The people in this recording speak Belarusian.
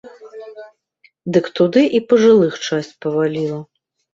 Дык туды і пажылых часць паваліла.